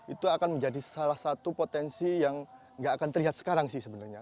itu akan menjadi salah satu potensi yang gak akan terlihat sekarang sih sebenarnya